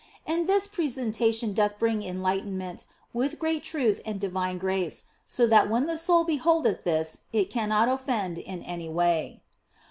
And this presentation doth bring enlightenment, with great truth and divine grace, so that when the soul beholdeth this it cannot offend in any way.